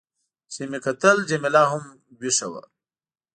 چې مې کتل، جميله هم وېښه وه.